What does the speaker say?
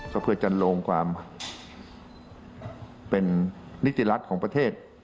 ก็เพื่อจะลงความเป็นนิติรัฐของประเทศ